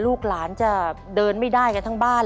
ลูกหลานจะเดินไม่ได้กันทั้งบ้าน